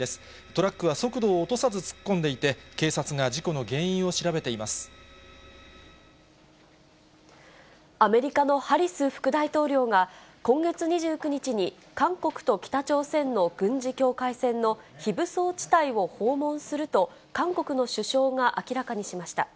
トラックは速度を落とさず突っ込んでいて、警察が事故の原因を調アメリカのハリス副大統領が、今月２９日に、韓国と北朝鮮の軍事境界線の非武装地帯を訪問すると、韓国の首相が明らかにしました。